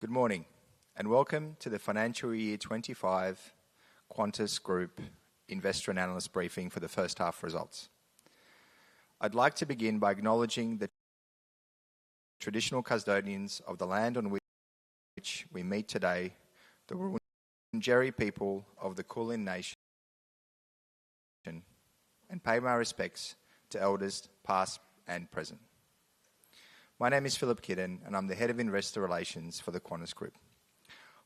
Good morning, and welcome to the Financial Year 25 Qantas Group Investor and Analyst Briefing for the first half results. I'd like to begin by acknowledging the traditional custodians of the land on which we meet today, the Wurundjeri people of the Kulin Nation, and pay my respects to elders past and present. My name is Filip Kidon, and I'm the Head of Investor Relations for the Qantas Group.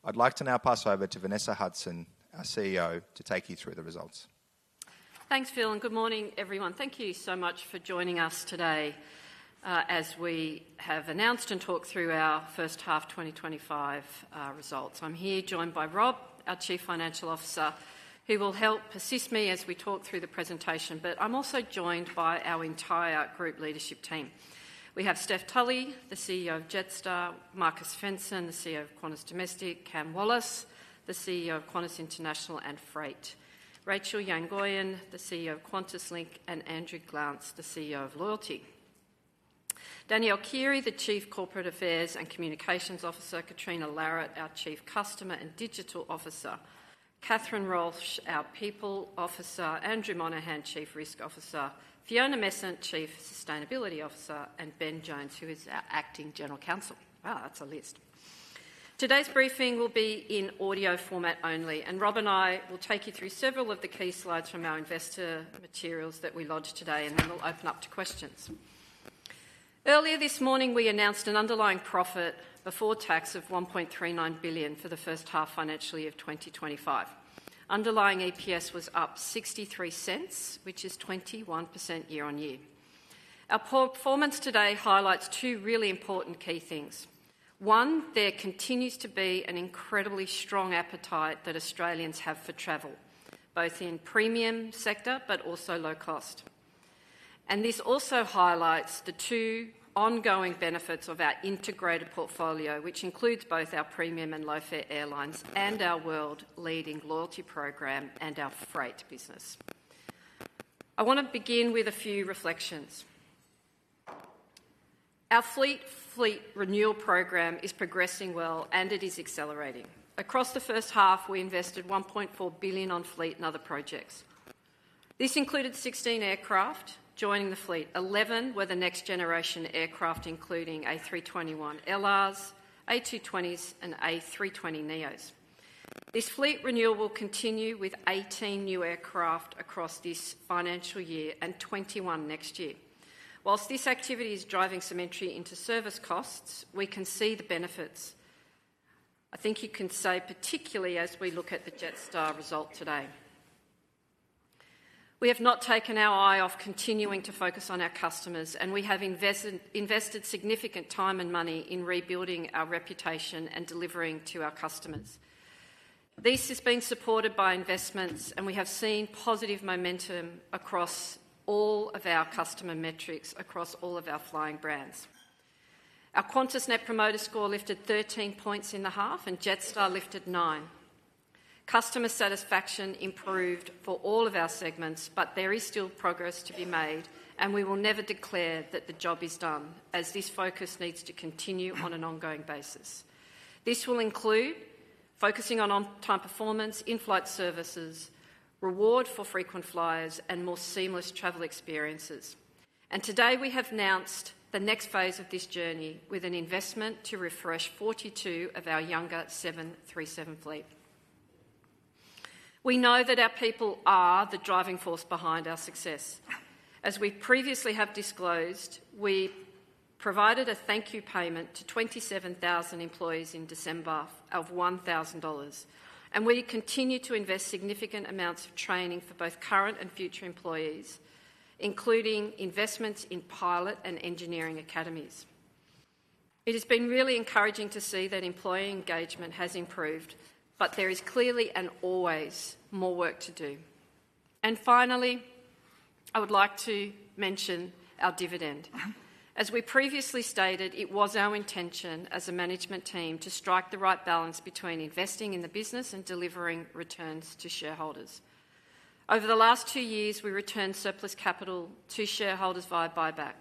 I'd like to now pass over to Vanessa Hudson, our CEO, to take you through the results. Thanks, Phil. And good morning, everyone. Thank you so much for joining us today as we have announced and talked through our first half 2025 results. I'm here joined by Rob, our Chief Financial Officer, who will help assist me as we talk through the presentation, but I'm also joined by our entire group leadership team. We have Steph Tully, the CEO of Jetstar; Markus Svensson, the CEO of Qantas Domestic; Cam Wallace, the CEO of Qantas International and Freight; Rachel Yangoyan, the CEO of QantasLink; and Andrew Glance, the CEO of Loyalty; Danielle Keighery, the Chief Corporate Affairs and Communications Officer; Catriona Larritt, our Chief Customer and Digital Officer; Catherine Walsh, our People Officer; Andrew Monaghan, Chief Risk Officer; Fiona Messent, Chief Sustainability Officer; and Ben Jones, who is our Acting General Counsel. Wow, that's a list. Today's briefing will be in audio format only, and Rob and I will take you through several of the key slides from our investor materials that we lodged today, and then we'll open up to questions. Earlier this morning, we announced an underlying profit before tax of 1.39 billion for the first half financial year of 2025. Underlying EPS was up 0.63, which is 21% year on year. Our performance today highlights two really important key things. One, there continues to be an incredibly strong appetite that Australians have for travel, both in premium sector but also low cost, and this also highlights the two ongoing benefits of our integrated portfolio, which includes both our premium and low fare airlines and our world-leading loyalty program and our freight business. I want to begin with a few reflections. Our fleet renewal program is progressing well, and it is accelerating. Across the first half, we invested 1.4 billion on fleet and other projects. This included 16 aircraft joining the fleet. 11 were the next generation aircraft, including A321LRs, A220s, and A320neos. This fleet renewal will continue with 18 new aircraft across this financial year and 21 next year. While this activity is driving some entry into service costs, we can see the benefits, I think you can say, particularly as we look at the Jetstar result today. We have not taken our eye off continuing to focus on our customers, and we have invested significant time and money in rebuilding our reputation and delivering to our customers. This has been supported by investments, and we have seen positive momentum across all of our customer metrics across all of our flying brands. Our Qantas Net Promoter Score lifted 13 points in the half, and Jetstar lifted nine. Customer satisfaction improved for all of our segments, but there is still progress to be made, and we will never declare that the job is done, as this focus needs to continue on an ongoing basis. This will include focusing on on-time performance, in-flight services, reward for frequent flyers, and more seamless travel experiences. And today, we have announced the next phase of this journey with an investment to refresh 42 of our younger 737 fleet. We know that our people are the driving force behind our success. As we previously have disclosed, we provided a thank-you payment to 27,000 employees in December of 1,000 dollars, and we continue to invest significant amounts of training for both current and future employees, including investments in pilot and engineering academies. It has been really encouraging to see that employee engagement has improved, but there is clearly and always more work to do. Finally, I would like to mention our dividend. As we previously stated, it was our intention as a management team to strike the right balance between investing in the business and delivering returns to shareholders. Over the last two years, we returned surplus capital to shareholders via buyback.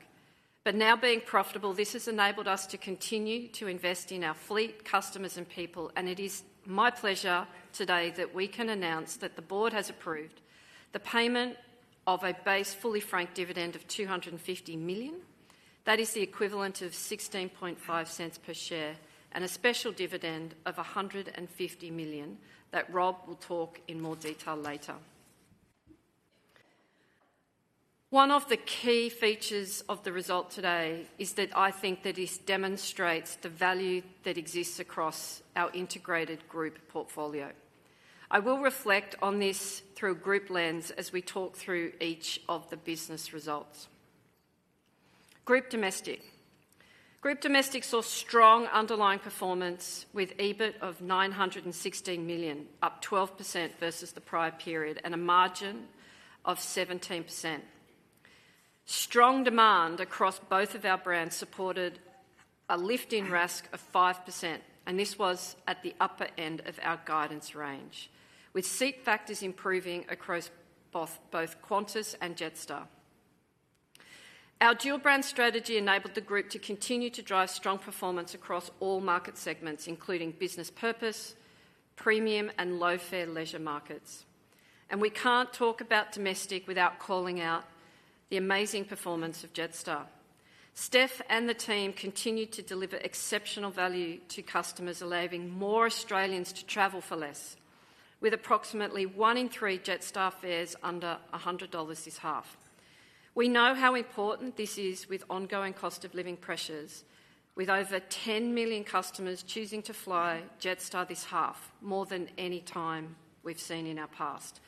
Now being profitable, this has enabled us to continue to invest in our fleet, customers, and people, and it is my pleasure today that we can announce that the board has approved the payment of a base fully franked dividend of 250 million. That is the equivalent of 0.165 per share and a special dividend of 150 million that Rob will talk in more detail later. One of the key features of the result today is that I think that this demonstrates the value that exists across our integrated group portfolio. I will reflect on this through a group lens as we talk through each of the business results. Qantas Domestic. Qantas Domestic saw strong underlying performance with EBIT of 916 million, up 12% versus the prior period, and a margin of 17%. Strong demand across both of our brands supported a lift in RASK of 5%, and this was at the upper end of our guidance range, with seat factors improving across both Qantas and Jetstar. Our dual-brand strategy enabled the group to continue to drive strong performance across all market segments, including business purpose, premium, and low fare leisure markets. And we can't talk about Domestic without calling out the amazing performance of Jetstar. Steph and the team continue to deliver exceptional value to customers, allowing more Australians to travel for less, with approximately one in three Jetstar fares under 100 dollars this half. We know how important this is with ongoing cost of living pressures, with over 10 million customers choosing to fly Jetstar this half more than any time we've seen in our past.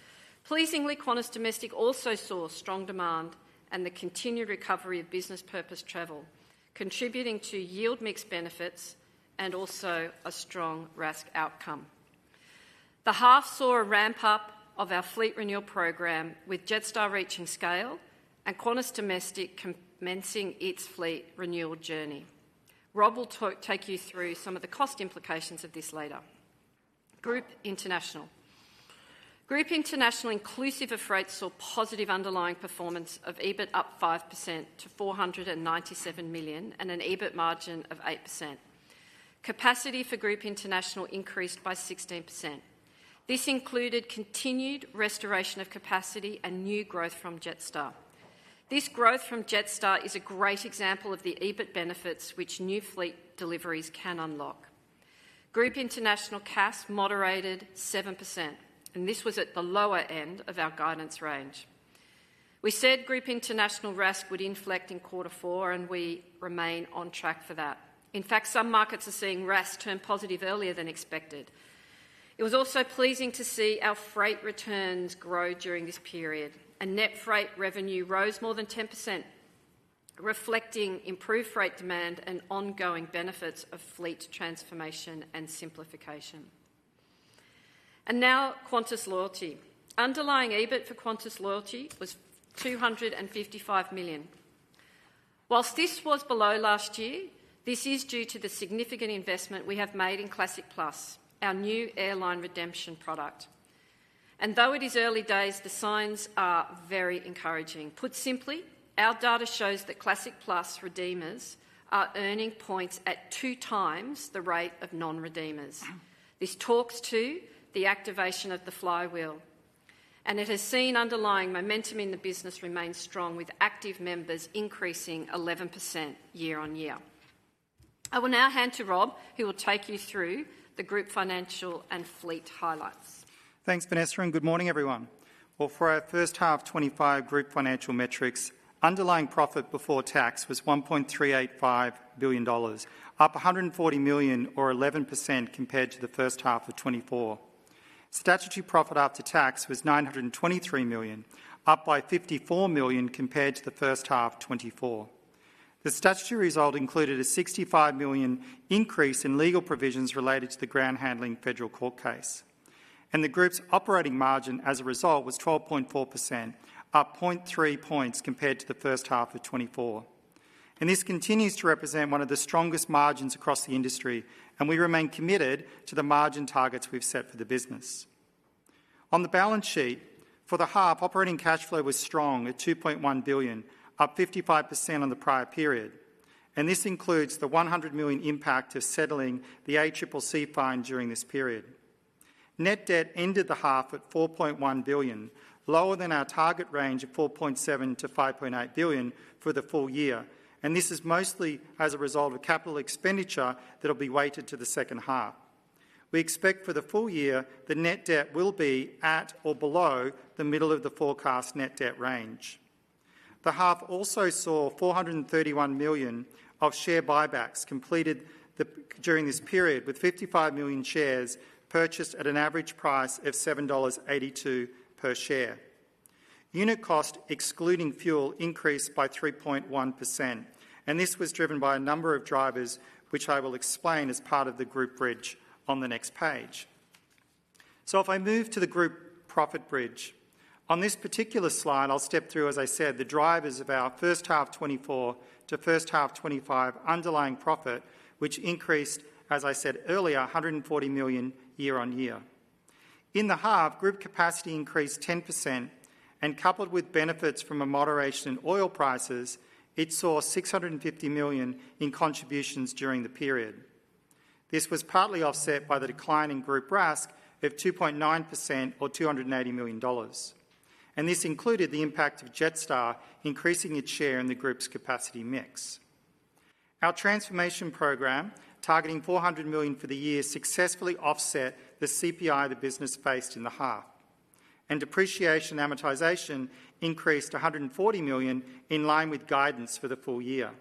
Pleasingly, Qantas Domestic also saw strong demand and the continued recovery of business purpose travel, contributing to yield mix benefits and also a strong RASK outcome. The half saw a ramp-up of our fleet renewal program, with Jetstar reaching scale and Qantas Domestic commencing its fleet renewal journey. Rob will take you through some of the cost implications of this later. Group International. Group International inclusive of freight saw positive underlying performance of EBIT up 5% to 497 million and an EBIT margin of 8%. Capacity for Group International increased by 16%. This included continued restoration of capacity and new growth from Jetstar. This growth from Jetstar is a great example of the EBIT benefits which new fleet deliveries can unlock. Group International CASK moderated 7%, and this was at the lower end of our guidance range. We said Group International RASK would inflect in quarter four, and we remain on track for that. In fact, some markets are seeing RASK turn positive earlier than expected. It was also pleasing to see our freight returns grow during this period. Net freight revenue rose more than 10%, reflecting improved freight demand and ongoing benefits of fleet transformation and simplification. And now, Qantas Loyalty. Underlying EBIT for Qantas Loyalty was 255 million. Whilst this was below last year, this is due to the significant investment we have made in Classic Plus, our new airline redemption product. And though it is early days, the signs are very encouraging. Put simply, our data shows that Classic Plus redeemers are earning points at two times the rate of non-redeemers. This talks to the activation of the flywheel, and it has seen underlying momentum in the business remain strong, with active members increasing 11% year on year. I will now hand to Rob, who will take you through the group financial and fleet highlights. Thanks, Vanessa, and good morning, everyone. For our first half 2025 group financial metrics, underlying profit before tax was 1.385 billion dollars, up 140 million, or 11% compared to the first half of 2024. Statutory profit after tax was 923 million, up by 54 million compared to the first half of 2024. The statutory result included a 65 million increase in legal provisions related to the ground handling Federal Court case. The group's operating margin as a result was 12.4%, up 0.3 points compared to the first half of 2024. This continues to represent one of the strongest margins across the industry, and we remain committed to the margin targets we've set for the business. On the balance sheet, for the half, operating cash flow was strong at 2.1 billion, up 55% on the prior period. And this includes the 100 million impact of settling the ACCC fine during this period. Net debt ended the half at 4.1 billion, lower than our target range of 4.7 billion-5.8 billion for the full year, and this is mostly as a result of capital expenditure that will be weighted to the second half. We expect for the full year the net debt will be at or below the middle of the forecast net debt range. The half also saw 431 million of share buybacks completed during this period, with 55 million shares purchased at an average price of 7.82 dollars per share. Unit cost, excluding fuel, increased by 3.1%, and this was driven by a number of drivers, which I will explain as part of the group bridge on the next page. So if I move to the group profit bridge, on this particular slide, I'll step through, as I said, the drivers of our first half 2024 to first half 2025 underlying profit, which increased, as I said earlier, 140 million year on year. In the half, group capacity increased 10%, and coupled with benefits from a moderation in oil prices, it saw 650 million in contributions during the period. This was partly offset by the decline in group RASK of 2.9%, or 280 million dollars. And this included the impact of Jetstar increasing its share in the group's capacity mix. Our transformation program, targeting 400 million for the year, successfully offset the CPI the business faced in the half. And depreciation amortization increased 140 million in line with guidance for the full year.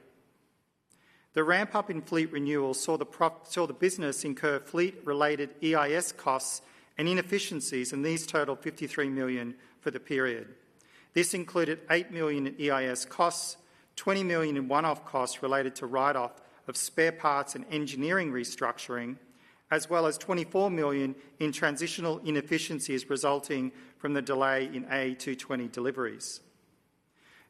The ramp-up in fleet renewal saw the business incur fleet-related EIS costs and inefficiencies, and these totaled 53 million for the period. This included 8 million in EIS costs, 20 million in one-off costs related to write-off of spare parts and engineering restructuring, as well as 24 million in transitional inefficiencies resulting from the delay in A220 deliveries.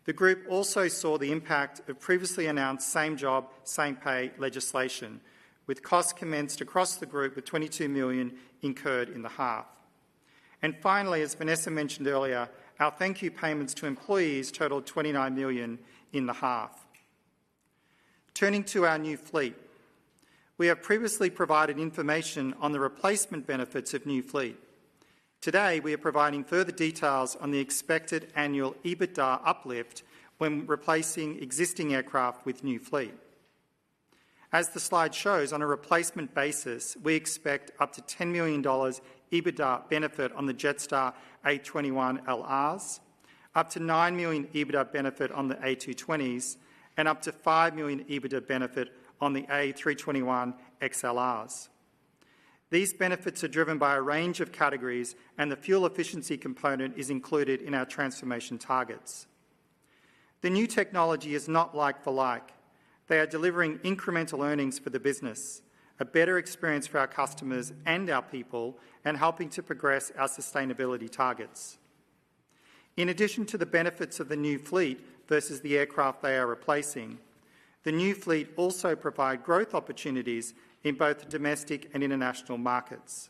The group also saw the impact of previously announced Same Job, Same Pay legislation, with costs commenced across the group of 22 million incurred in the half. And finally, as Vanessa mentioned earlier, our thank-you payments to employees totaled 29 million in the half. Turning to our new fleet, we have previously provided information on the replacement benefits of new fleet. Today, we are providing further details on the expected annual EBITDA uplift when replacing existing aircraft with new fleet. As the slide shows, on a replacement basis, we expect up to 10 million dollars EBITDA benefit on the Jetstar A321LRs, up to 9 million EBITDA benefit on the A220s, and up to 5 million EBITDA benefit on the A321XLRs. These benefits are driven by a range of categories, and the fuel efficiency component is included in our transformation targets. The new technology is not like for like. They are delivering incremental earnings for the business, a better experience for our customers and our people, and helping to progress our sustainability targets. In addition to the benefits of the new fleet versus the aircraft they are replacing, the new fleet also provides growth opportunities in both domestic and international markets.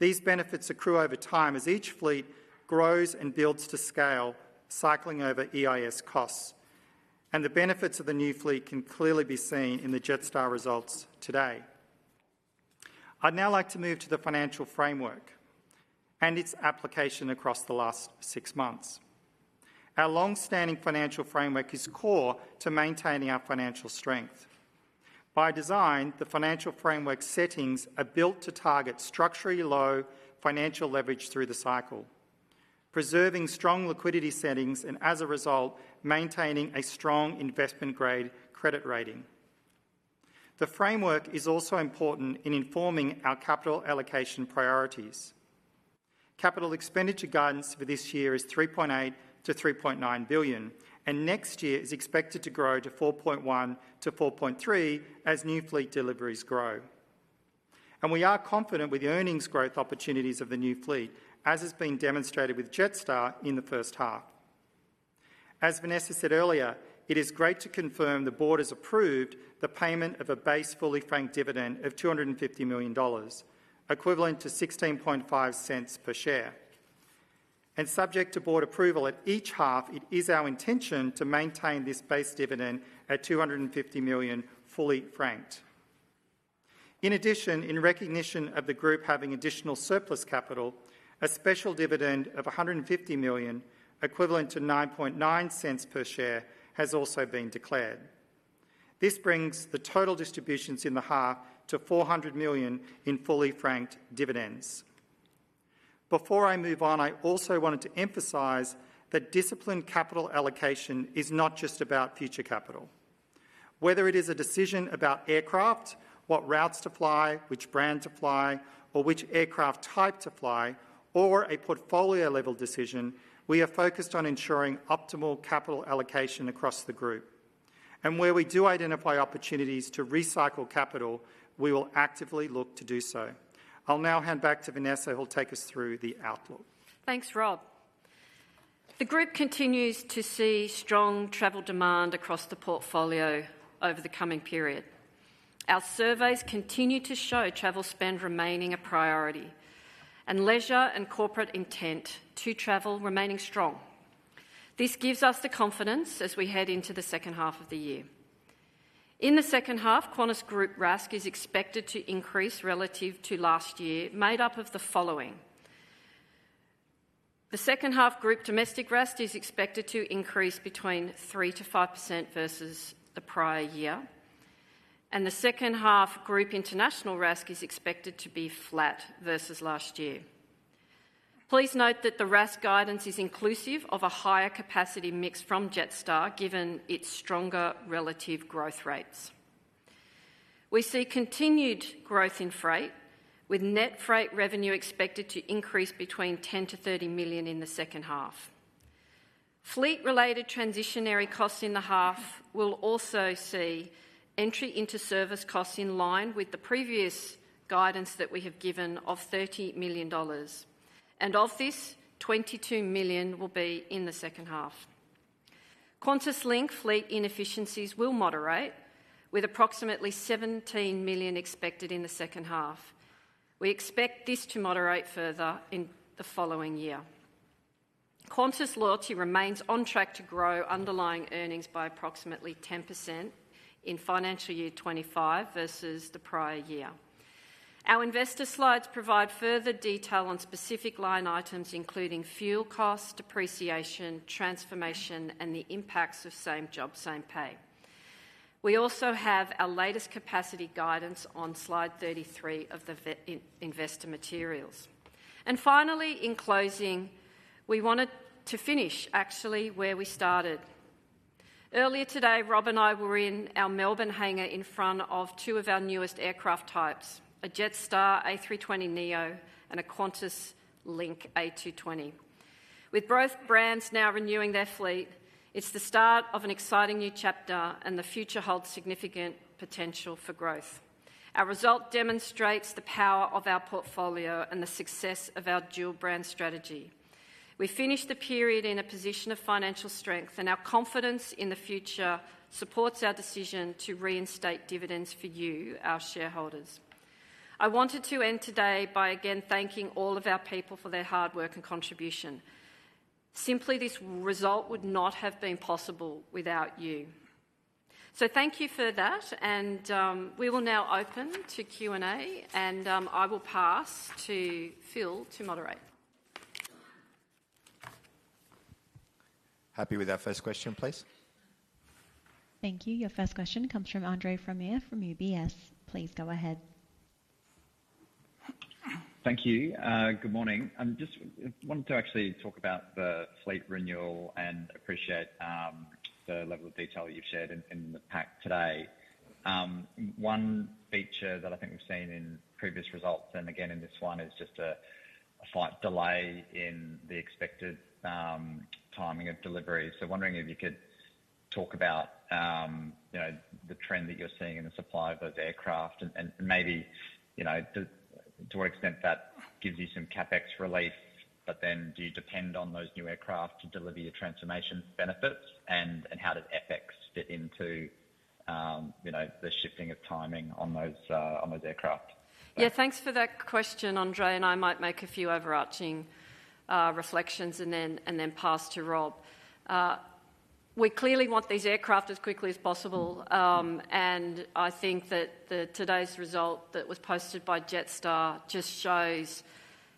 These benefits accrue over time as each fleet grows and builds to scale, cycling over EIS costs. The benefits of the new fleet can clearly be seen in the Jetstar results today. I'd now like to move to the financial framework and its application across the last six months. Our long-standing financial framework is core to maintaining our financial strength. By design, the financial framework settings are built to target structurally low financial leverage through the cycle, preserving strong liquidity settings and, as a result, maintaining a strong investment-grade credit rating. The framework is also important in informing our capital allocation priorities. Capital expenditure guidance for this year is 3.8 billion-3.9 billion, and next year is expected to grow to 4.1 billion-4.3 billion as new fleet deliveries grow. We are confident with the earnings growth opportunities of the new fleet, as has been demonstrated with Jetstar in the first half. As Vanessa said earlier, it is great to confirm the board has approved the payment of a base fully franked dividend of 250 million dollars, equivalent to 0.165 per share, and subject to board approval at each half, it is our intention to maintain this base dividend at 250 million fully franked. In addition, in recognition of the group having additional surplus capital, a special dividend of 150 million, equivalent to 0.099 per share, has also been declared. This brings the total distributions in the half to 400 million in fully franked dividends. Before I move on, I also wanted to emphasize that disciplined capital allocation is not just about future capital. Whether it is a decision about aircraft, what routes to fly, which brand to fly, or which aircraft type to fly, or a portfolio-level decision, we are focused on ensuring optimal capital allocation across the group. Where we do identify opportunities to recycle capital, we will actively look to do so. I'll now hand back to Vanessa, who'll take us through the outlook. Thanks, Rob. The group continues to see strong travel demand across the portfolio over the coming period. Our surveys continue to show travel spend remaining a priority, and leisure and corporate intent to travel remaining strong. This gives us the confidence as we head into the second half of the year. In the second half, Qantas Group RASK is expected to increase relative to last year, made up of the following: the second half Group Domestic RASK is expected to increase between 3%-5% versus the prior year, and the second half Group International RASK is expected to be flat versus last year. Please note that the RASK guidance is inclusive of a higher capacity mix from Jetstar, given its stronger relative growth rates. We see continued growth in freight, with net freight revenue expected to increase between 10 million-30 million in the second half. Fleet-related transitionary costs in the half will also see entry into service costs in line with the previous guidance that we have given of 30 million dollars, and of this, 22 million will be in the second half. QantasLink fleet inefficiencies will moderate, with approximately 17 million expected in the second half. We expect this to moderate further in the following year. Qantas Loyalty remains on track to grow underlying earnings by approximately 10% in financial year 2025 versus the prior year. Our investor slides provide further detail on specific line items, including fuel costs, depreciation, transformation, and the impacts of same job, same pay. We also have our latest capacity guidance on slide 33 of the investor materials, and finally, in closing, we wanted to finish, actually, where we started. Earlier today, Rob and I were in our Melbourne hangar in front of two of our newest aircraft types, a Jetstar A320neo and a QantasLink A220. With both brands now renewing their fleet, it's the start of an exciting new chapter, and the future holds significant potential for growth. Our result demonstrates the power of our portfolio and the success of our dual-brand strategy. We finished the period in a position of financial strength, and our confidence in the future supports our decision to reinstate dividends for you, our shareholders. I wanted to end today by again thanking all of our people for their hard work and contribution. Simply, this result would not have been possible without you. So thank you for that, and we will now open to Q&A, and I will pass to Phil to moderate. Happy with our first question, please. Thank you. Your first question comes from Andre Fromyhr from UBS. Please go ahead. Thank you. Good morning. I just wanted to actually talk about the fleet renewal and appreciate the level of detail that you've shared in the pack today. One feature that I think we've seen in previous results, and again in this one, is just a slight delay in the expected timing of delivery. So wondering if you could talk about the trend that you're seeing in the supply of those aircraft, and maybe to what extent that gives you some CapEx relief, but then do you depend on those new aircraft to deliver your transformation benefits, and how does FX fit into the shifting of timing on those aircraft? Yeah, thanks for that question. Andre and I might make a few overarching reflections and then pass to Rob. We clearly want these aircraft as quickly as possible, and I think that today's result that was posted by Jetstar just shows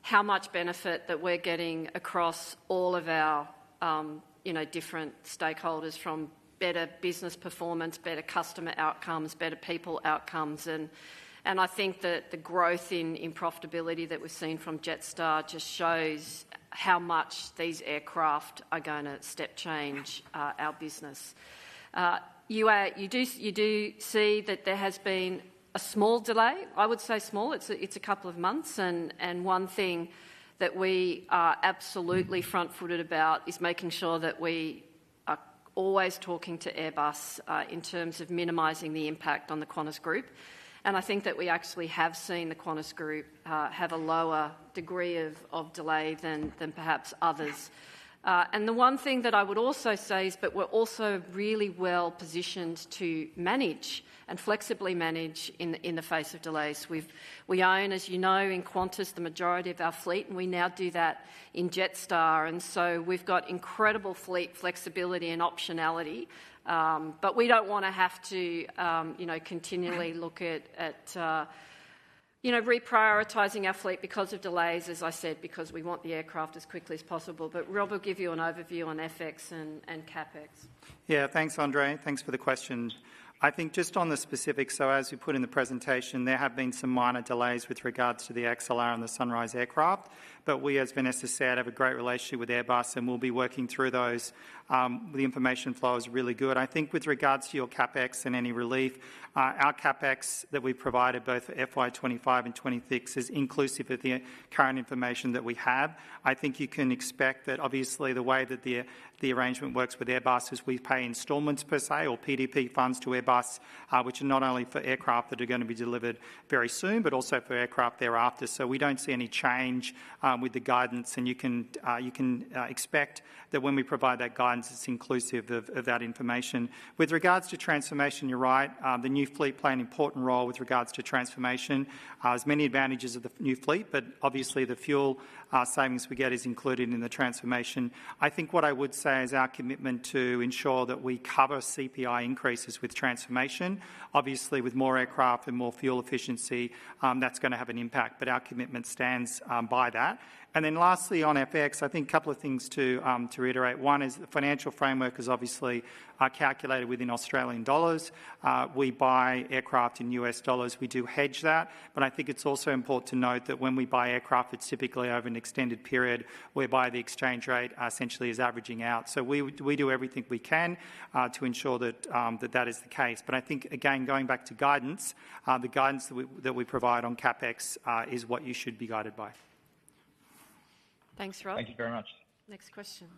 how much benefit that we're getting across all of our different stakeholders from better business performance, better customer outcomes, better people outcomes. I think that the growth in profitability that we've seen from Jetstar just shows how much these aircraft are going to step change our business. You do see that there has been a small delay. I would say small. It's a couple of months. One thing that we are absolutely front-footed about is making sure that we are always talking to Airbus in terms of minimizing the impact on the Qantas Group. I think that we actually have seen the Qantas Group have a lower degree of delay than perhaps others. The one thing that I would also say is that we're also really well positioned to manage and flexibly manage in the face of delays. We own, as you know, in Qantas the majority of our fleet, and we now do that in Jetstar. So we've got incredible fleet flexibility and optionality, but we don't want to have to continually look at reprioritizing our fleet because of delays, as I said, because we want the aircraft as quickly as possible. Rob, I'll give you an overview on FX and CapEx. Yeah, thanks, Andre. Thanks for the question. I think just on the specifics, so as you put in the presentation, there have been some minor delays with regards to the XLR and the Sunrise aircraft, but we, as Vanessa said, have a great relationship with Airbus, and we'll be working through those. The information flow is really good. I think with regards to your CapEx and any relief, our CapEx that we've provided both for FY 2025 and 2026 is inclusive of the current information that we have. I think you can expect that, obviously, the way that the arrangement works with Airbus is we pay installments per se or PDP funds to Airbus, which are not only for aircraft that are going to be delivered very soon, but also for aircraft thereafter. So we don't see any change with the guidance, and you can expect that when we provide that guidance, it's inclusive of that information. With regards to transformation, you're right. The new fleet play an important role with regards to transformation. There's many advantages of the new fleet, but obviously, the fuel savings we get are included in the transformation. I think what I would say is our commitment to ensure that we cover CPI increases with transformation. Obviously, with more aircraft and more fuel efficiency, that's going to have an impact, but our commitment stands by that. And then lastly, on FX, I think a couple of things to reiterate. One is the financial framework is obviously calculated within Australian dollars. We buy aircraft in US dollars. We do hedge that. But I think it's also important to note that when we buy aircraft, it's typically over an extended period whereby the exchange rate essentially is averaging out. So we do everything we can to ensure that that is the case. But I think, again, going back to guidance, the guidance that we provide on CapEx is what you should be guided by. Thanks, Rob. Thank you very much. Next question.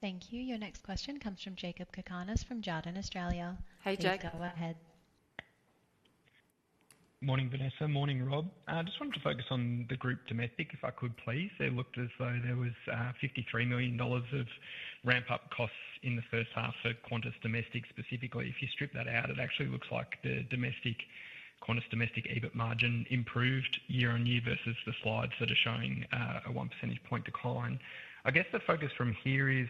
Thank you. Your next question comes from Jakob Cakarnis from Jarden, Australia. Hey, Jacob. Please go ahead. Morning, Vanessa. Morning, Rob. I just wanted to focus on the Group Domestic if I could, please. It looked as though there was 53 million dollars of ramp-up costs in the first half for Qantas Domestic specifically. If you strip that out, it actually looks like the domestic Qantas Domestic EBIT margin improved year on year versus the slides that are showing a 1 percentage point decline. I guess the focus from here is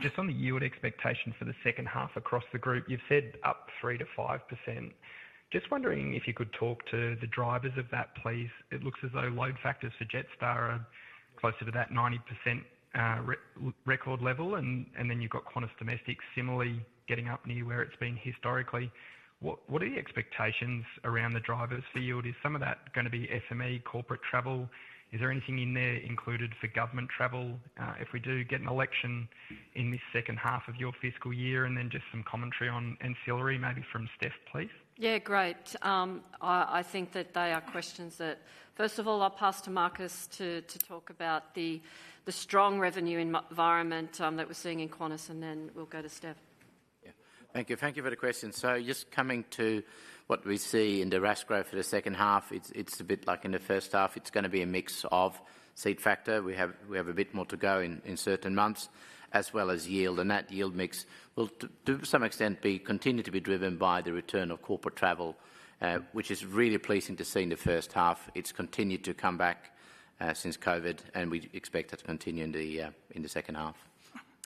just on the yield expectation for the second half across the group. You've said up 3% to 5%. Just wondering if you could talk to the drivers of that, please. It looks as though load factors for Jetstar are closer to that 90% record level, and then you've got Qantas Domestic similarly getting up near where it's been historically. What are the expectations around the drivers for yield? Is some of that going to be SME, corporate travel? Is there anything in there included for government travel if we do get an election in this second half of your fiscal year? And then just some commentary on ancillary, maybe from Steph, please. Yeah, great. I think that they are questions that, first of all, I'll pass to Markus to talk about the strong revenue environment that we're seeing in Qantas, and then we'll go to Steph. Yeah, thank you. Thank you for the question. So just coming to what we see in the RASK growth for the second half, it's a bit like in the first half, it's going to be a mix of seat factor. We have a bit more to go in certain months, as well as yield. And that yield mix will, to some extent, continue to be driven by the return of corporate travel, which is really pleasing to see in the first half. It's continued to come back since COVID, and we expect that to continue in the second half.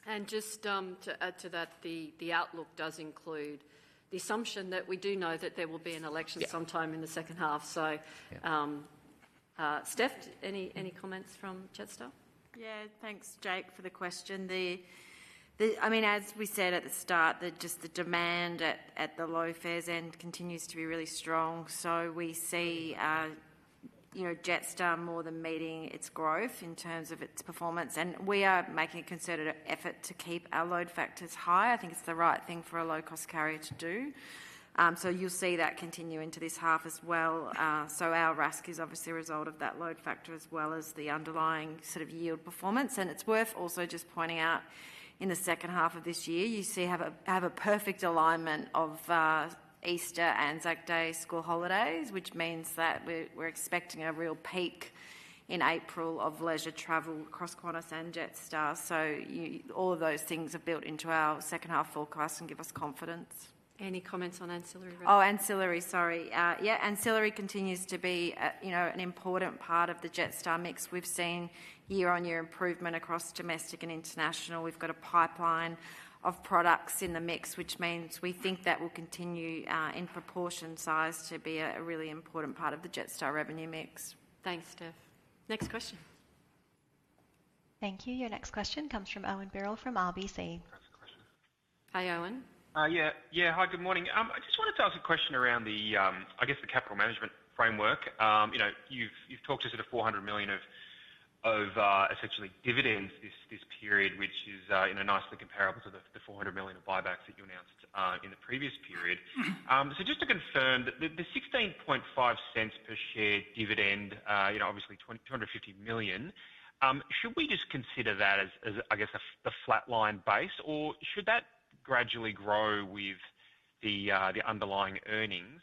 And just to add to that, the outlook does include the assumption that we do know that there will be an election sometime in the second half. So Steph, any comments from Jetstar? Yeah, thanks, Jake, for the question. I mean, as we said at the start, just the demand at the low fares end continues to be really strong. So we see Jetstar more than meeting its growth in terms of its performance. And we are making a concerted effort to keep our load factors high. I think it's the right thing for a low-cost carrier to do. So you'll see that continue into this half as well. So our RASK is obviously a result of that load factor, as well as the underlying sort of yield performance. And it's worth also just pointing out in the second half of this year, you'll see we have a perfect alignment of Easter and Anzac Day school holidays, which means that we're expecting a real peak in April of leisure travel across Qantas and Jetstar. So all of those things are built into our second half forecast and give us confidence. Any comments on ancillary? Oh, ancillary, sorry. Yeah, ancillary continues to be an important part of the Jetstar mix. We've seen year-on-year improvement across domestic and international. We've got a pipeline of products in the mix, which means we think that will continue in proportion size to be a really important part of the Jetstar revenue mix. Thanks, Steph. Next question. Thank you. Your next question comes from Owen Birrell from RBC. Hi Owen. Yeah, yeah, hi, good morning. I just wanted to ask a question around the, I guess, the capital management framework. You've talked to sort of 400 million of essentially dividends this period, which is nicely comparable to the 400 million of buybacks that you announced in the previous period. So just to confirm, the 16.50 per share dividend, obviously 250 million, should we just consider that as, I guess, a flat line base, or should that gradually grow with the underlying earnings?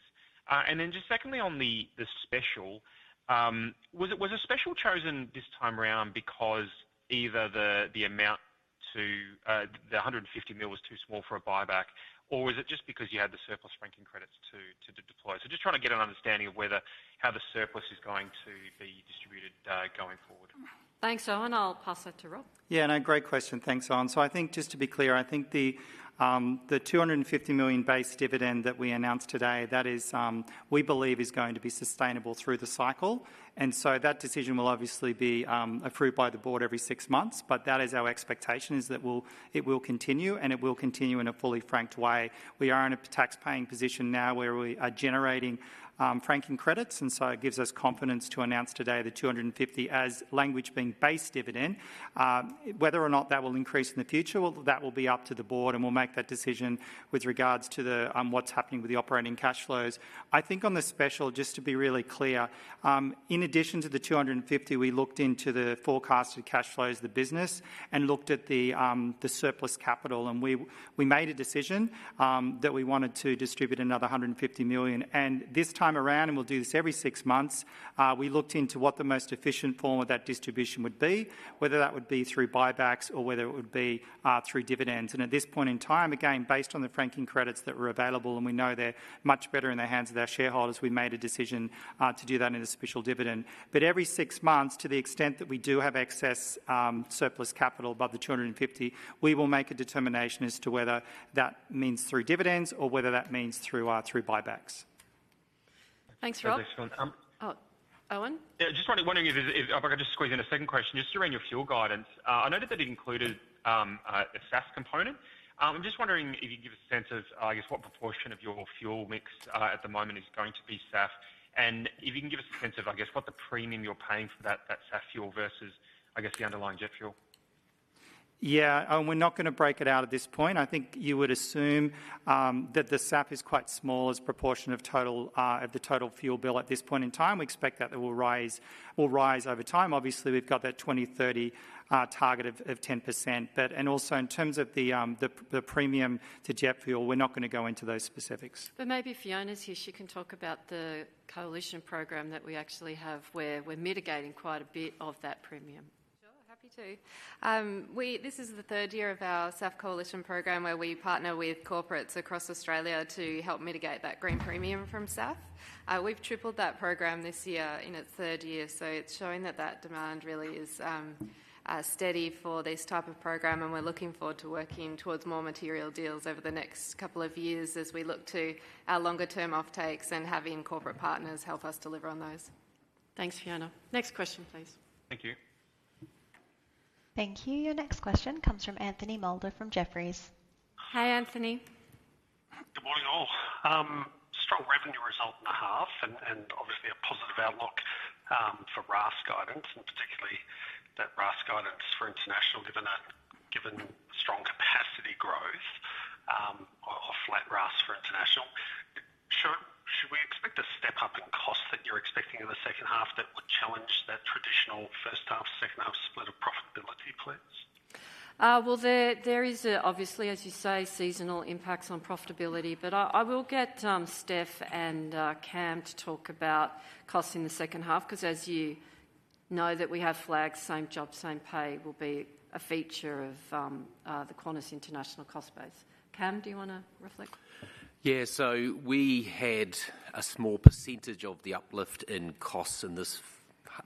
And then just secondly, on the special, was the special chosen this time around because either the amount to the 150 million was too small for a buyback, or was it just because you had the surplus franking credits to deploy? So just trying to get an understanding of how the surplus is going to be distributed going forward. Thanks, Owen. I'll pass that to Rob. Yeah, no, great question. Thanks, Owen. So, I think just to be clear, I think the 250 million base dividend that we announced today, that is, we believe, is going to be sustainable through the cycle. And so that decision will obviously be approved by the board every six months, but that is our expectation, is that it will continue, and it will continue in a fully franked way. We are in a tax-paying position now where we are generating franking credits, and so it gives us confidence to announce today the 250 million as language being base dividend. Whether or not that will increase in the future, that will be up to the board, and we'll make that decision with regards to what's happening with the operating cash flows. I think on the special, just to be really clear, in addition to the 250 million, we looked into the forecasted cash flows of the business and looked at the surplus capital, and we made a decision that we wanted to distribute another 150 million, and this time around, and we'll do this every six months, we looked into what the most efficient form of that distribution would be, whether that would be through buybacks or whether it would be through dividends, and at this point in time, again, based on the franking credits that were available, and we know they're much better in the hands of our shareholders, we made a decision to do that in the special dividend. But every six months, to the extent that we do have excess surplus capital above the 250 million, we will make a determination as to whether that means through dividends or whether that means through buybacks. Thanks, Rob. Owen? Yeah, just wondering, I'll just squeeze in a second question. Just around your fuel guidance, I noted that it included a SAF component. I'm just wondering if you can give us a sense of, I guess, what proportion of your fuel mix at the moment is going to be SAF, and if you can give us a sense of, I guess, what the premium you're paying for that SAF fuel versus, I guess, the underlying jet fuel. Yeah, we're not going to break it out at this point. I think you would assume that the SAF is quite small as a proportion of the total fuel bill at this point in time. We expect that it will rise over time. Obviously, we've got that 2030 target of 10%. And also, in terms of the premium to jet fuel, we're not going to go into those specifics. But maybe Fiona's here. She can talk about the coalition program that we actually have where we're mitigating quite a bit of that premium. Sure, happy to. This is the third year of our SAF coalition program where we partner with corporates across Australia to help mitigate that green premium from SAF. We've tripled that program this year in its third year, so it's showing that that demand really is steady for this type of program, and we're looking forward to working towards more material deals over the next couple of years as we look to our longer-term offtakes and having corporate partners help us deliver on those. Thanks, Fiona. Next question, please. Thank you. Thank you. Your next question comes from Anthony Moulder from Jefferies. Hi, Anthony. Good morning, all. Strong revenue result in the half and obviously a positive outlook for RASK guidance, and particularly that RASK guidance for international, given strong capacity growth or flat RASK for international. Should we expect a step-up in costs that you're expecting in the second half that would challenge that traditional first half, second half split of profitability, please? There is obviously, as you say, seasonal impacts on profitability, but I will get Steph and Cam to talk about costs in the second half because, as you know, that we have flagged, Same Job, Same Pay will be a feature of the Qantas International cost base. Cam, do you want to reflect? Yeah, so we had a small percentage of the uplift in costs in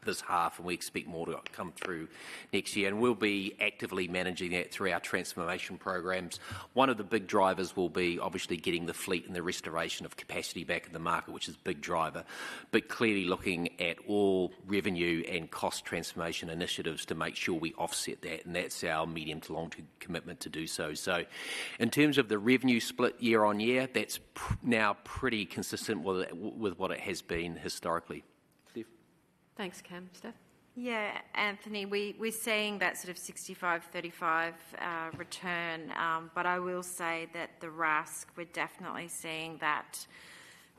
this half, and we expect more to come through next year. And we'll be actively managing that through our transformation programs. One of the big drivers will be obviously getting the fleet and the restoration of capacity back at the market, which is a big driver. But clearly looking at all revenue and cost transformation initiatives to make sure we offset that. And that's our medium to long-term commitment to do so. So in terms of the revenue split year on year, that's now pretty consistent with what it has been historically. Thanks, Cam. Steph? Yeah, Anthony, we're seeing that sort of 65-35 return, but I will say that the RASK, we're definitely seeing that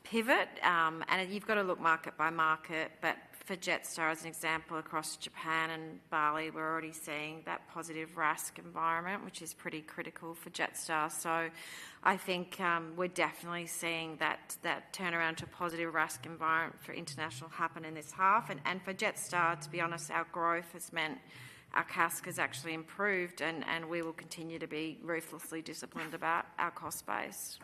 pivot. And you've got to look market by market, but for Jetstar, as an example, across Japan and Bali, we're already seeing that positive RASK environment, which is pretty critical for Jetstar. So, I think we're definitely seeing that turnaround to a positive RASK environment for international happen in this half. And for Jetstar, to be honest, our growth has meant our cask has actually improved, and we will continue to be ruthlessly disciplined about our cost base.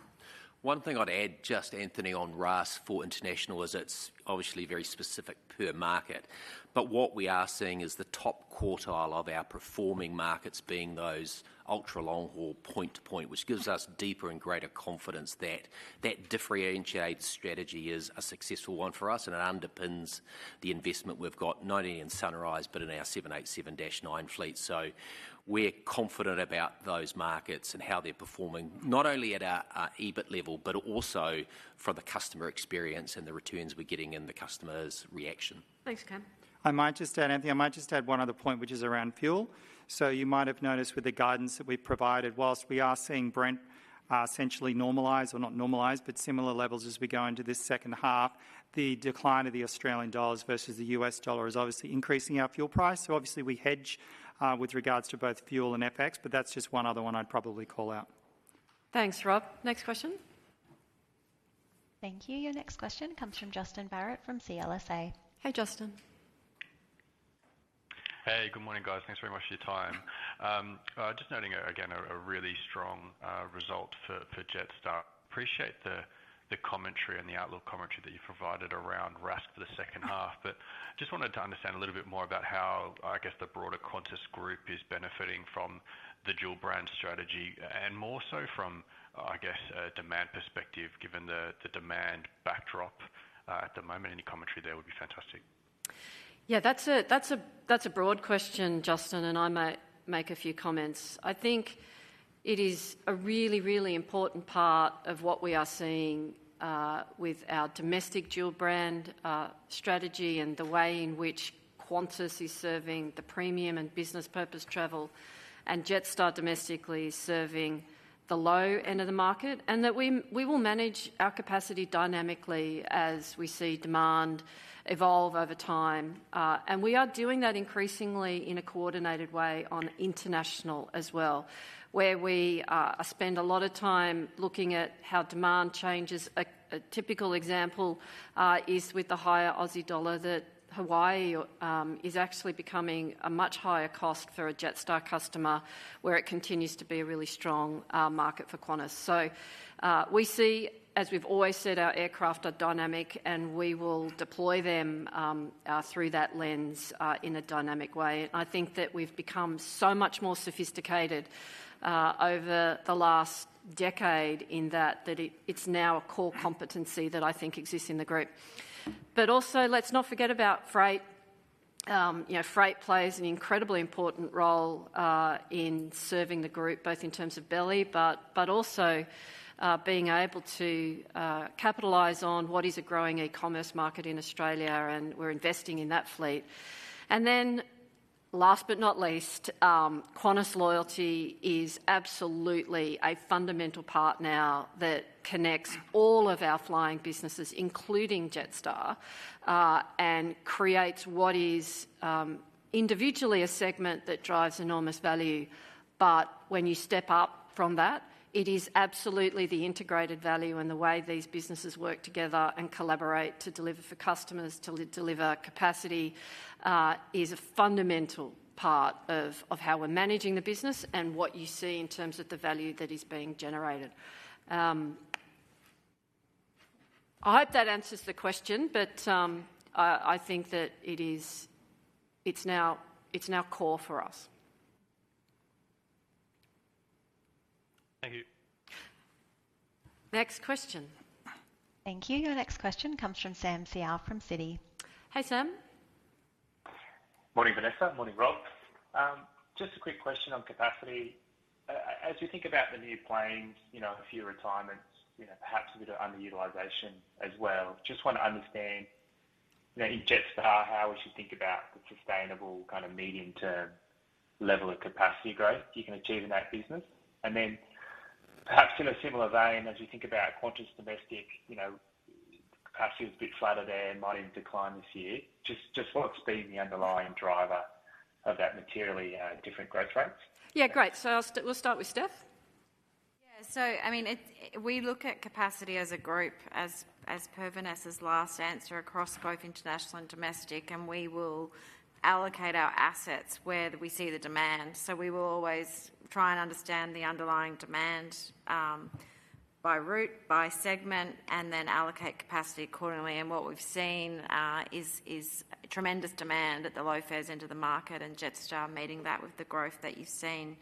One thing I'd add, just Anthony, on RASK for international is it's obviously very specific per market. But what we are seeing is the top quartile of our performing markets being those ultra long-haul point-to-point, which gives us deeper and greater confidence that that differentiated strategy is a successful one for us, and it underpins the investment we've got, not only in Sunrise but in our 787-9 fleet. So we're confident about those markets and how they're performing, not only at our EBIT level, but also for the customer experience and the returns we're getting and the customer's reaction. Thanks, Cam. I might just add, Anthony, one other point, which is around fuel. So you might have noticed with the guidance that we've provided, while we are seeing Brent essentially normalize or not normalize, but similar levels as we go into this second half, the decline of the Australian dollar versus the US dollar is obviously increasing our fuel price. So obviously, we hedge with regard to both fuel and FX, but that's just one other one I'd probably call out. Thanks, Rob. Next question. Thank you. Your next question comes from Justin Barratt from CLSA. Hey, Justin. Hey, good morning, guys. Thanks very much for your time. Just noting, again, a really strong result for Jetstar. Appreciate the commentary and the outlook commentary that you provided around RASK for the second half, but just wanted to understand a little bit more about how, I guess, the broader Qantas Group is benefiting from the dual-brand strategy and more so from, I guess, a demand perspective, given the demand backdrop at the moment. Any commentary there would be fantastic. Yeah, that's a broad question, Justin, and I might make a few comments. I think it is a really, really important part of what we are seeing with our domestic dual-brand strategy and the way in which Qantas is serving the premium and business purpose travel, and Jetstar domestically serving the low end of the market, and that we will manage our capacity dynamically as we see demand evolve over time, and we are doing that increasingly in a coordinated way on international as well, where we spend a lot of time looking at how demand changes. A typical example is with the higher Aussie dollar that Hawaii is actually becoming a much higher cost for a Jetstar customer, where it continues to be a really strong market for Qantas. So we see, as we've always said, our aircraft are dynamic, and we will deploy them through that lens in a dynamic way. And I think that we've become so much more sophisticated over the last decade in that it's now a core competency that I think exists in the group. But also, let's not forget about freight. Freight plays an incredibly important role in serving the group, both in terms of belly but also being able to capitalize on what is a growing e-commerce market in Australia, and we're investing in that fleet. And then, last but not least, Qantas Loyalty is absolutely a fundamental part now that connects all of our flying businesses, including Jetstar, and creates what is individually a segment that drives enormous value. But when you step up from that, it is absolutely the integrated value and the way these businesses work together and collaborate to deliver for customers, to deliver capacity, is a fundamental part of how we're managing the business and what you see in terms of the value that is being generated. I hope that answers the question, but I think that it's now core for us. Thank you. Next question. Thank you. Your next question comes from Samuel Seow from Citi. Hey, Sam. Morning, Vanessa. Morning, Rob. Just a quick question on capacity. As you think about the new planes, a few retirements, perhaps a bit of underutilization as well. Just want to understand in Jetstar how we should think about the sustainable kind of medium-term level of capacity growth you can achieve in that business. And then perhaps in a similar vein, as you think about Qantas Domestic, capacity is a bit flatter there, might even decline this year. Just what's been the underlying driver of that materially different growth rate? Yeah, great. So we'll start with Steph. Yeah, so I mean, we look at capacity as a group, as per Vanessa's last answer, across both international and domestic, and we will allocate our assets where we see the demand. So we will always try and understand the underlying demand by route, by segment, and then allocate capacity accordingly. And what we've seen is tremendous demand at the low-fares end of the market, and Jetstar meeting that with the growth that you've seen.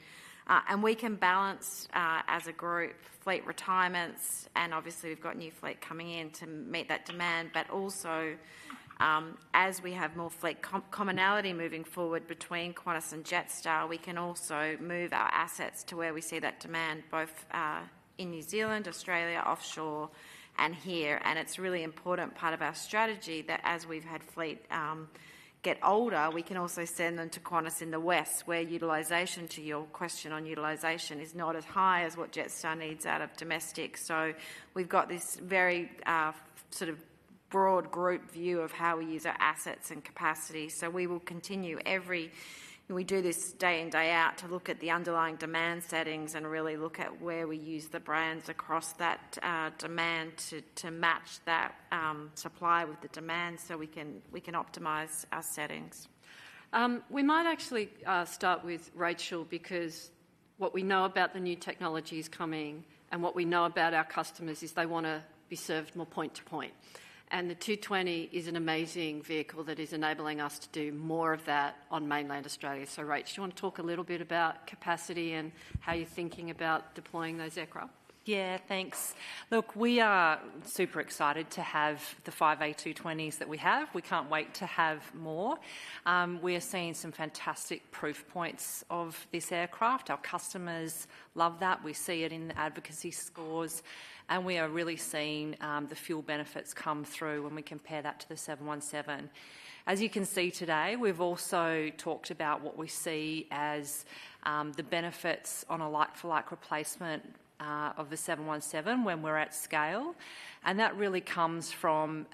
And we can balance as a group, fleet retirements, and obviously, we've got new fleet coming in to meet that demand. But also, as we have more fleet commonality moving forward between Qantas and Jetstar, we can also move our assets to where we see that demand, both in New Zealand, Australia, offshore, and here. It's a really important part of our strategy that as we've had fleet get older, we can also send them to Qantas in the West, where utilization, to your question on utilization, is not as high as what Jetstar needs out of domestic. So we've got this very sort of broad group view of how we use our assets and capacity. So we will continue. Every day we do this day in, day out to look at the underlying demand settings and really look at where we use the brands across that demand to match that supply with the demand so we can optimize our settings. We might actually start with Rachel because what we know about the new technologies coming and what we know about our customers is they want to be served more point-to-point. And the 220 is an amazing vehicle that is enabling us to do more of that on mainland Australia. So Rachel, do you want to talk a little bit about capacity and how you're thinking about deploying those aircraft? Yeah, thanks. Look, we are super excited to have the A220s that we have. We can't wait to have more. We are seeing some fantastic proof points of this aircraft. Our customers love that. We see it in the advocacy scores, and we are really seeing the fuel benefits come through when we compare that to the 717. As you can see today, we've also talked about what we see as the benefits on a like-for-like replacement of the 717 when we're at scale, and that really comes from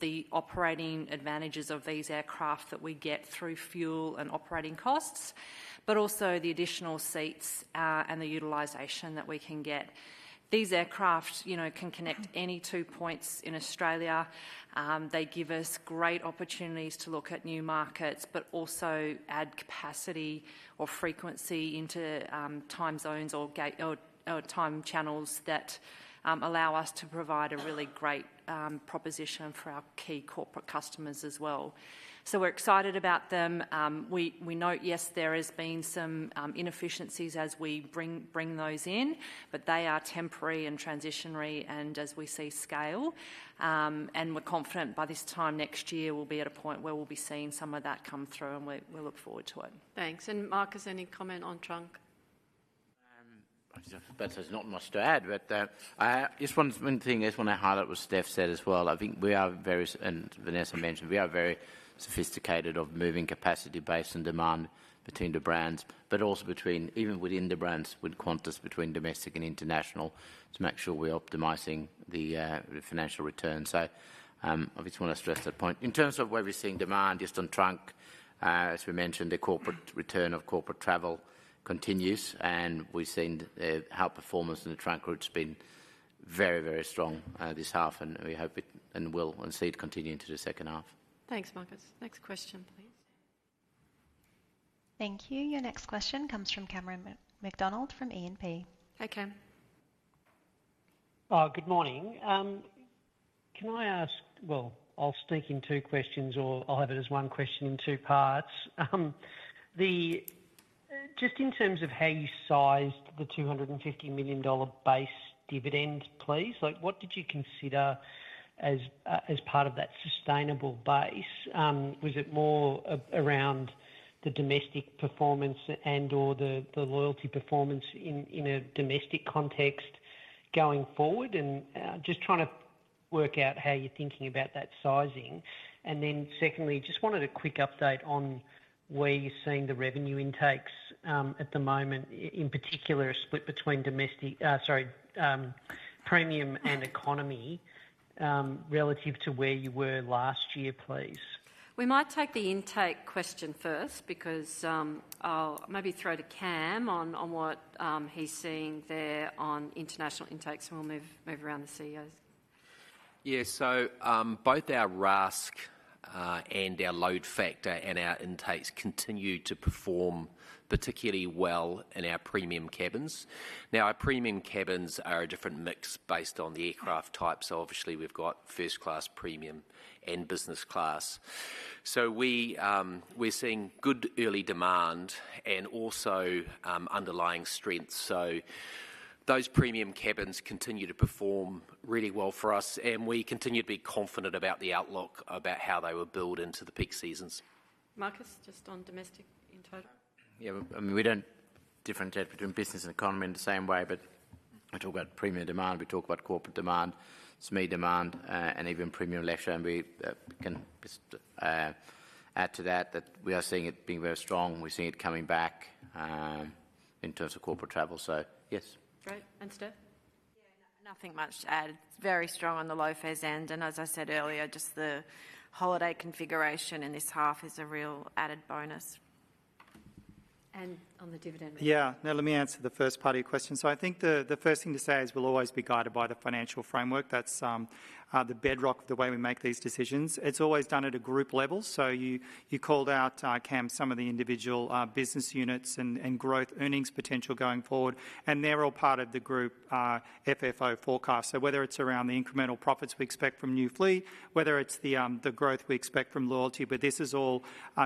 the operating advantages of these aircraft that we get through fuel and operating costs, but also the additional seats and the utilization that we can get. These aircraft can connect any two points in Australia. They give us great opportunities to look at new markets, but also add capacity or frequency into time zones or time channels that allow us to provide a really great proposition for our key corporate customers as well. So we're excited about them. We note, yes, there has been some inefficiencies as we bring those in, but they are temporary and transitionary, and as we see scale, and we're confident by this time next year, we'll be at a point where we'll be seeing some of that come through, and we look forward to it. Thanks. And Markus, any comment on trunk? I just have to say it's not much to add, but just one thing I just want to highlight what Steph said as well. I think we are very—and Vanessa mentioned—we are very sophisticated in moving capacity based on demand between the brands, but also even within the brands with Qantas between domestic and international to make sure we're optimizing the financial return. So I just want to stress that point. In terms of where we're seeing demand, just on trunk, as we mentioned, the corporate return of corporate travel continues, and we've seen how performance in the trunk route has been very, very strong this half, and we hope and will see it continue into the second half. Thanks, Markus. Next question, please. Thank you. Your next question comes from Cameron McDonald from E&P. Hey, Cam. Good morning. Can I ask, well, I'll sneak in two questions, or I'll have it as one question in two parts. Just in terms of how you sized the 250 million dollar base dividend, please, what did you consider as part of that sustainable base? Was it more around the domestic performance and/or the loyalty performance in a domestic context going forward? And just trying to work out how you're thinking about that sizing. And then secondly, just wanted a quick update on where you're seeing the revenue intakes at the moment, in particular a split between domestic, sorry, premium and economy relative to where you were last year, please. We might take the intake question first because I'll maybe throw to Cam on what he's seeing there on international intakes, and we'll move around the CEOs. Yeah, so both our RASK and our load factor and our intakes continue to perform particularly well in our premium cabins. Now, our premium cabins are a different mix based on the aircraft type, so obviously, we've got first-class, premium, and business class, so we're seeing good early demand and also underlying strength, so those premium cabins continue to perform really well for us, and we continue to be confident about the outlook about how they will build into the peak seasons. Markus, just on domestic in total? Yeah, I mean, we don't differentiate between business and economy in the same way, but we talk about premium demand. We talk about corporate demand, SME demand, and even premium leisure. And we can add to that that we are seeing it being very strong. We're seeing it coming back in terms of corporate travel. So yes. Great. And Steph? Yeah, nothing much to add. It's very strong on the low-fares end, and as I said earlier, just the holiday configuration in this half is a real added bonus. On the dividend? Yeah. Now, let me answer the first part of your question. So I think the first thing to say is we'll always be guided by the financial framework. That's the bedrock of the way we make these decisions. It's always done at a group level. So you called out, Cam, some of the individual business units and growth earnings potential going forward, and they're all part of the group FFO forecast. So whether it's around the incremental profits we expect from new fleet, whether it's the growth we expect from loyalty, but this is all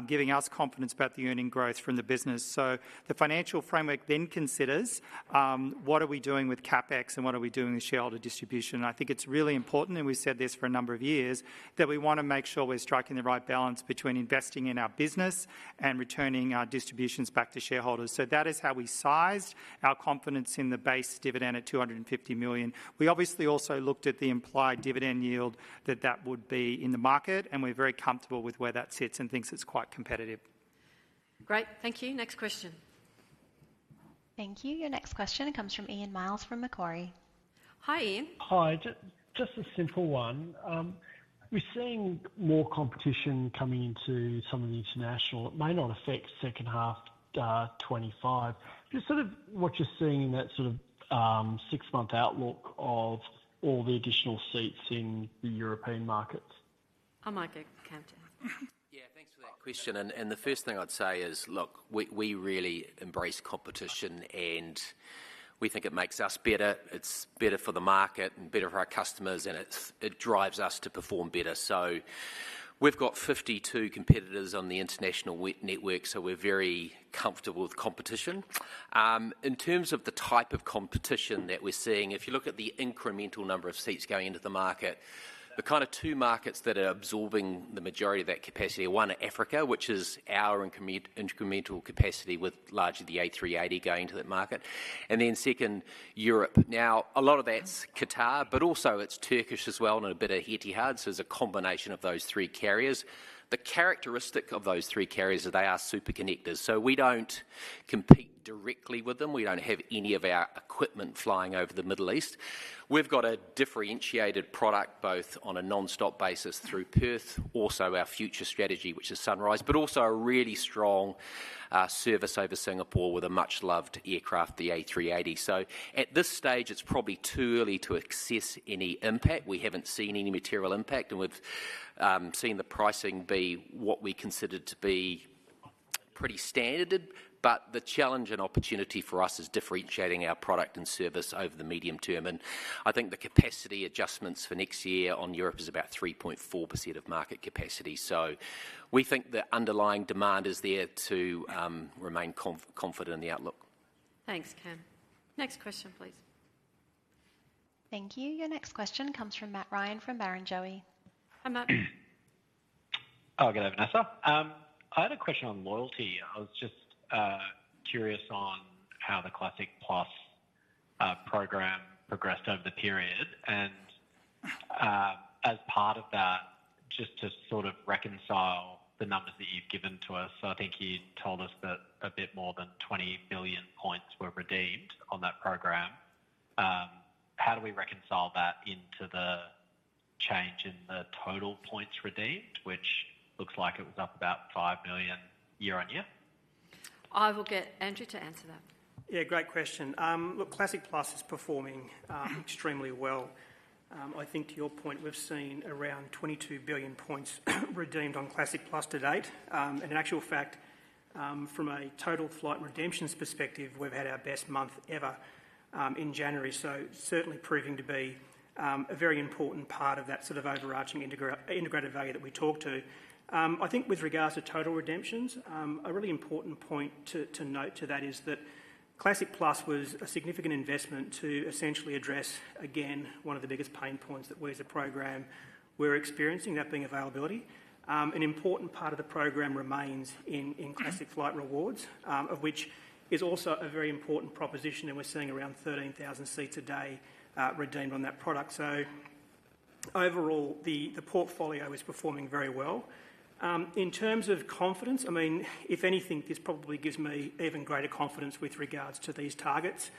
giving us confidence about the earnings growth from the business. So the financial framework then considers what are we doing with CapEx and what are we doing with shareholder distribution. And I think it's really important, and we've said this for a number of years, that we want to make sure we're striking the right balance between investing in our business and returning our distributions back to shareholders. So that is how we sized our confidence in the base dividend at 250 million. We obviously also looked at the implied dividend yield that that would be in the market, and we're very comfortable with where that sits and think it's quite competitive. Great. Thank you. Next question. Thank you. Your next question comes from Ian Myles from Macquarie. Hi, Ian. Hi. Just a simple one. We're seeing more competition coming into some of the international. It may not affect second half 2025. Just sort of what you're seeing in that sort of six-month outlook of all the additional seats in the European markets? I'll make a counter. Yeah, thanks for that question. And the first thing I'd say is, look, we really embrace competition, and we think it makes us better. It's better for the market and better for our customers, and it drives us to perform better. So we've got 52 competitors on the international network, so we're very comfortable with competition. In terms of the type of competition that we're seeing, if you look at the incremental number of seats going into the market, the kind of two markets that are absorbing the majority of that capacity are one, Africa, which is our incremental capacity with largely the A380 going to that market, and then second, Europe. Now, a lot of that's Qatar, but also it's Turkish as well and a bit of Etihad. So it's a combination of those three carriers. The characteristic of those three carriers is they are super connectors. So we don't compete directly with them. We don't have any of our equipment flying over the Middle East. We've got a differentiated product both on a nonstop basis through Perth, also our future strategy, which is Sunrise, but also a really strong service over Singapore with a much-loved aircraft, the A380. So at this stage, it's probably too early to assess any impact. We haven't seen any material impact, and we've seen the pricing be what we considered to be pretty standard. But the challenge and opportunity for us is differentiating our product and service over the medium term. And I think the capacity adjustments for next year on Europe is about 3.4% of market capacity. So we think the underlying demand is there to remain confident in the outlook. Thanks, Cam. Next question, please. Thank you. Your next question comes from Matt Ryan from Barrenjoey. Hi, Matt. Oh, good day, Vanessa. I had a question on loyalty. I was just curious on how the Classic Plus program progressed over the period. And as part of that, just to sort of reconcile the numbers that you've given to us, I think you told us that a bit more than 20 million points were redeemed on that program. How do we reconcile that into the change in the total points redeemed, which looks like it was up about 5 million year on year? I will get Andrew to answer that. Yeah, great question. Look, Classic Plus is performing extremely well. I think to your point, we've seen around 22 billion points redeemed on Classic Plus to date. And in actual fact, from a total flight redemptions perspective, we've had our best month ever in January. So certainly proving to be a very important part of that sort of overarching integrated value that we talk to. I think with regards to total redemptions, a really important point to note to that is that Classic Plus was a significant investment to essentially address, again, one of the biggest pain points that we as a program were experiencing, that being availability. An important part of the program remains in Classic Flight Rewards, of which is also a very important proposition, and we're seeing around 13,000 seats a day redeemed on that product. So overall, the portfolio is performing very well. In terms of confidence, I mean, if anything, this probably gives me even greater confidence with regards to these targets.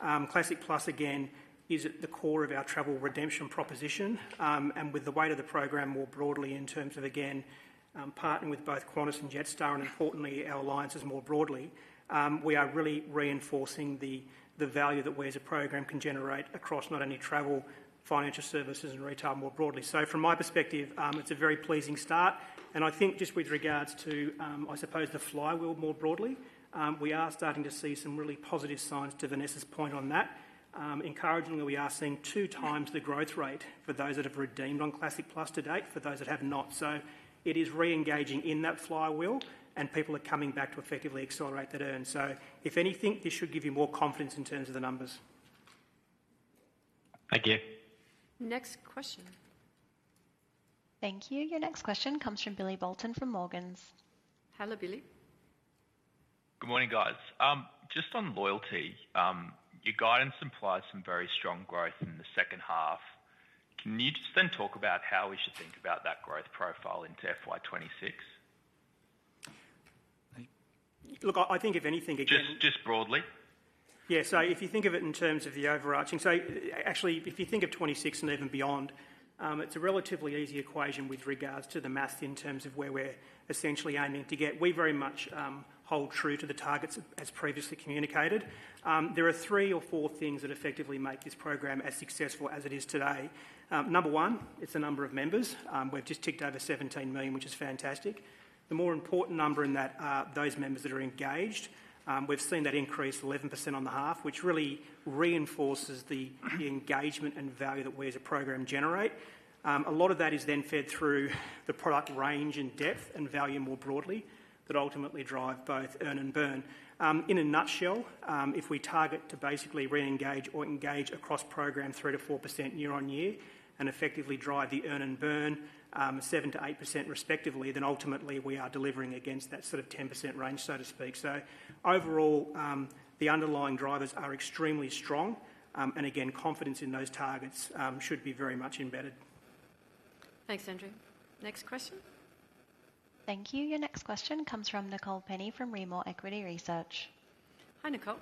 Classic Plus, again, is at the core of our travel redemption proposition. And with the weight of the program more broadly in terms of, again, partnering with both Qantas and Jetstar, and importantly, our alliances more broadly, we are really reinforcing the value that we as a program can generate across not only travel, financial services, and retail more broadly. So from my perspective, it's a very pleasing start. And I think just with regards to, I suppose, the flywheel more broadly, we are starting to see some really positive signs to Vanessa's point on that, encouraging that we are seeing two times the growth rate for those that have redeemed on Classic Plus to date for those that have not. So it is re-engaging in that flywheel, and people are coming back to effectively accelerate that earn. So if anything, this should give you more confidence in terms of the numbers. Thank you. Next question. Thank you. Your next question comes from Billy Bolton from Morgans. Hello, Billy. Good morning, guys. Just on loyalty, your guidance implies some very strong growth in the second half. Can you just then talk about how we should think about that growth profile into FY 2026? Look, I think if anything, again. Just broadly? Yeah. So if you think of it in terms of the overarching—so actually, if you think of 2026 and even beyond, it's a relatively easy equation with regards to the math in terms of where we're essentially aiming to get. We very much hold true to the targets as previously communicated. There are three or four things that effectively make this program as successful as it is today. Number one, it's the number of members. We've just ticked over 17 million, which is fantastic. The more important number in that are those members that are engaged. We've seen that increase 11% on the half, which really reinforces the engagement and value that we as a program generate. A lot of that is then fed through the product range and depth and value more broadly that ultimately drive both earn and burn. In a nutshell, if we target to basically re-engage or engage across program 3%-4% year on year and effectively drive the earn and burn 7%-8% respectively, then ultimately we are delivering against that sort of 10% range, so to speak. So overall, the underlying drivers are extremely strong. And again, confidence in those targets should be very much embedded. Thanks, Andrew. Next question. Thank you. Your next question comes from Nicole Penny from Rimor Equity Research. Hi, Nicole.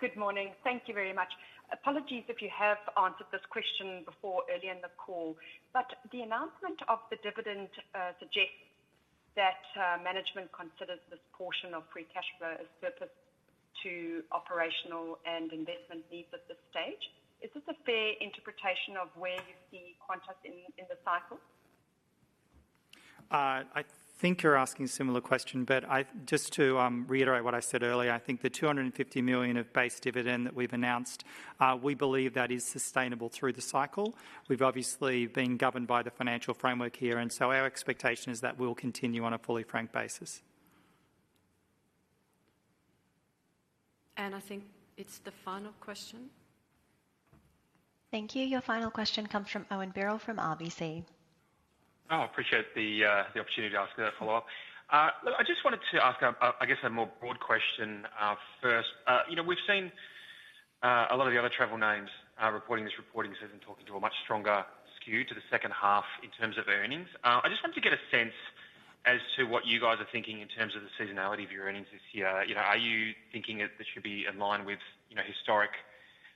Good morning. Thank you very much. Apologies if you have answered this question before early in the call, but the announcement of the dividend suggests that management considers this portion of free cash flow as surplus to operational and investment needs at this stage. Is this a fair interpretation of where you see Qantas in the cycle? I think you're asking a similar question, but just to reiterate what I said earlier, I think the 250 million of base dividend that we've announced, we believe that is sustainable through the cycle. We've obviously been governed by the financial framework here, and so our expectation is that we'll continue on a fully franked basis. And I think it's the final question. Thank you. Your final question comes from Owen Birrell from RBC. Oh, I appreciate the opportunity to ask that follow-up. Look, I just wanted to ask, I guess, a more broad question first. We've seen a lot of the other travel names reporting this reporting season talking to a much stronger skew to the second half in terms of earnings. I just wanted to get a sense as to what you guys are thinking in terms of the seasonality of your earnings this year. Are you thinking that this should be in line with historic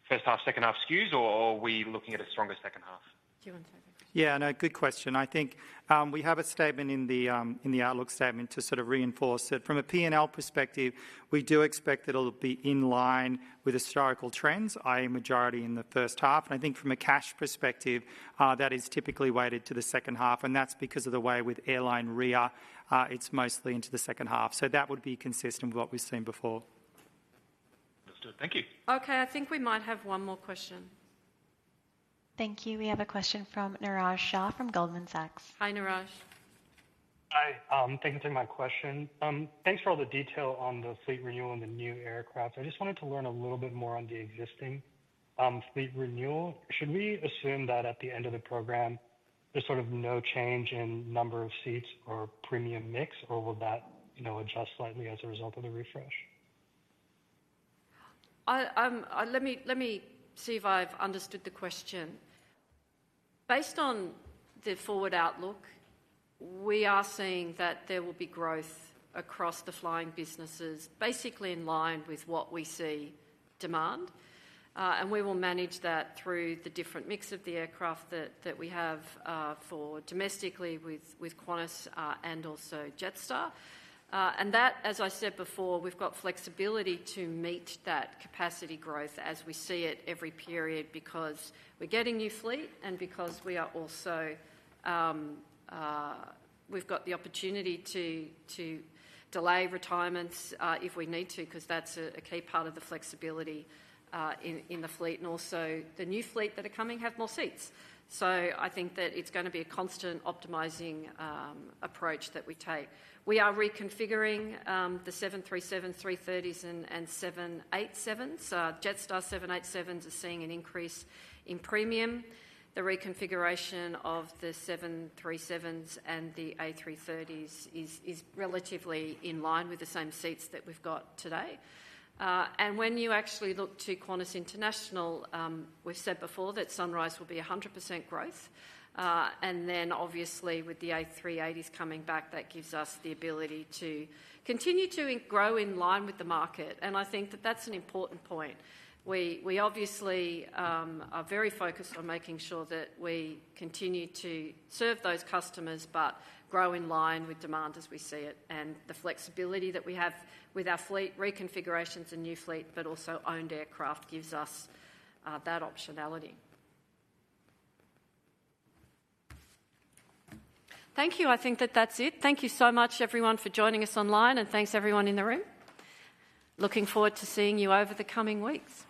first half, second half skews, or are we looking at a stronger second half? Do you want to take that question? Yeah, no, good question. I think we have a statement in the outlook statement to sort of reinforce that from a P&L perspective, we do expect that it'll be in line with historical trends, i.e., majority in the first half, and I think from a cash perspective, that is typically weighted to the second half, and that's because of the way with airline freight, it's mostly into the second half, so that would be consistent with what we've seen before. Understood. Thank you. Okay. I think we might have one more question. Thank you. We have a question from Niraj Shah from Goldman Sachs. Hi, Niraj. Hi. Thank you for my question. Thanks for all the detail on the fleet renewal and the new aircraft. I just wanted to learn a little bit more on the existing fleet renewal. Should we assume that at the end of the program, there's sort of no change in number of seats or premium mix, or will that adjust slightly as a result of the refresh? Let me see if I've understood the question. Based on the forward outlook, we are seeing that there will be growth across the flying businesses, basically in line with what we see demand. And we will manage that through the different mix of the aircraft that we have for domestically with Qantas and also Jetstar. And that, as I said before, we've got flexibility to meet that capacity growth as we see it every period because we're getting new fleet and because we are also—we've got the opportunity to delay retirements if we need to because that's a key part of the flexibility in the fleet. And also, the new fleet that are coming have more seats. So, I think that it's going to be a constant optimizing approach that we take. We are reconfiguring the 737, 330s, and 787s. Jetstar 787s are seeing an increase in premium. The reconfiguration of the 737s and the A330s is relatively in line with the same seats that we've got today, and when you actually look to Qantas International, we've said before that Sunrise will be 100% growth, and then, obviously, with the A380s coming back, that gives us the ability to continue to grow in line with the market, and I think that that's an important point. We obviously are very focused on making sure that we continue to serve those customers but grow in line with demand as we see it, and the flexibility that we have with our fleet reconfigurations and new fleet, but also owned aircraft, gives us that optionality. Thank you. I think that that's it. Thank you so much, everyone, for joining us online, and thanks, everyone in the room. Looking forward to seeing you over the coming weeks.